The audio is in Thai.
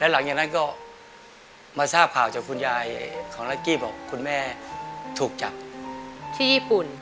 หลังจากนั้นก็มาทราบข่าวจากคุณยายของลักกี้บอกคุณแม่ถูกจับที่ญี่ปุ่น